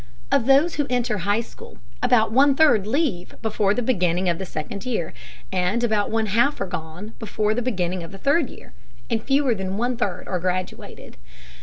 Of those who enter high school, about one third leave before the beginning of the second year, about one half are gone before the beginning of the third year, and fewer than one third are graduated.